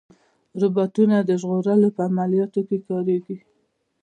روبوټونه د ژغورنې په عملیاتو کې کارېږي.